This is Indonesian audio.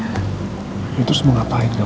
aku di depan sleeping bag